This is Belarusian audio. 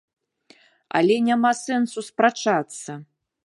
Але няма сэнсу спрачацца.